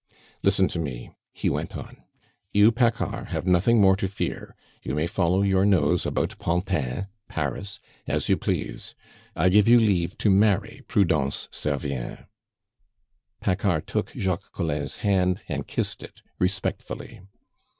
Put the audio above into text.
"Listen to me," he went on. "You, Paccard, have nothing more to fear; you may follow your nose about Pantin (Paris) as you please. I give you leave to marry Prudence Servien." Paccard took Jacques Collin's hand and kissed it respectfully.